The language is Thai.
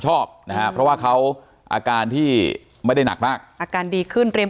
ชอบนะฮะเพราะว่าเขาอาการที่ไม่ได้หนักมากอาการดีขึ้นเรียม